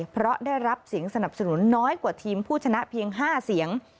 เพราะได้รับเสียงสนับสนุนน้อยกว่าทีมผู้ชนะเพียง๕เสียง